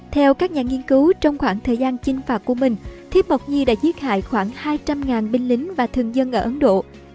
theo các nhà nghiên cứu trong khoảng thời gian chinh phạt của mình thiếp mộc nhi đã giết hại khoảng hai trăm linh binh lính và thường dân ở ấn độ